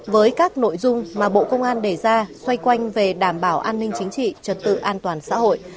với các nội dung mà bộ công an đề ra xoay quanh về đảm bảo an ninh chính trị trật tự an toàn xã hội